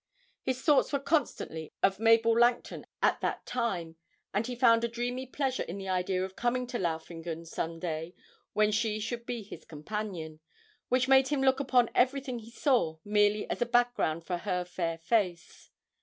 His thoughts were constantly of Mabel Langton at that time, and he found a dreamy pleasure in the idea of coming to Laufingen some day when she should be his companion, which made him look upon everything he saw merely as a background for her fair face.